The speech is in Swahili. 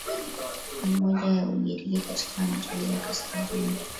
moja ya Uigiriki katika Anatolia ya Kaskazini